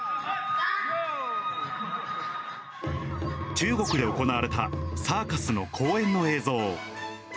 中国で行われたサーカスの公演の映像。